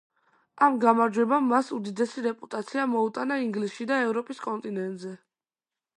ამ გამარჯვებამ მას უდიდესი რეპუტაცია მოუტანა ინგლისში და ევროპის კონტინენტზე.